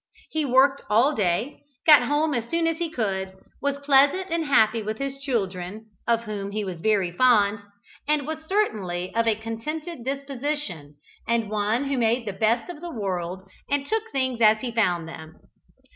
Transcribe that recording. He worked all day, got home as soon as he could, was pleasant and happy with his children (of whom he was very fond), and was certainly of a contented disposition, and one who made the best of the world and took things as he found them.